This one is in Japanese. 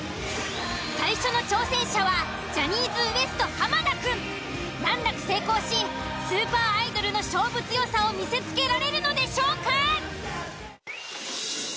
最初の挑戦者は難なく成功しスーパーアイドルの勝負強さを見せつけられるのでしょうか？